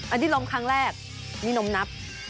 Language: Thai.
อันนี้ลงครั้งแรกนี่นมนับ